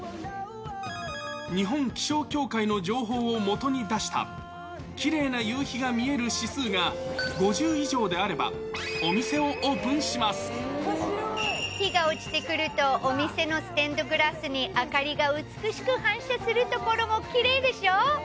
日本気象協会の情報を基に出した、キレイな夕日が見える指数が５０以上であれば、お店をオープンし日が落ちてくると、お店のステンドグラスに明かりが美しく反射するところもきれいでしょう？